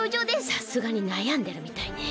さすがになやんでるみたいね。